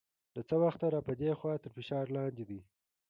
له څه وخته را په دې خوا تر فشار لاندې دی.